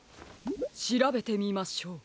しらべてみましょう。